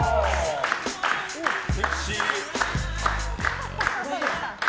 セクシー！